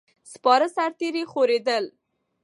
سپاره سرتیري خورېدل.